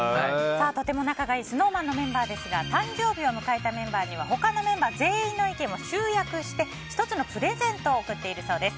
とても仲がいいＳｎｏｗＭａｎのメンバーですが誕生日を迎えたメンバーには他のメンバー全員の意見を集約して１つのプレゼントを贈っているそうです。